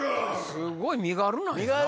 すごい身軽！